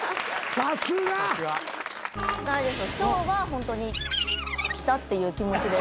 さすが。今日はホントにきたっていう気持ちです。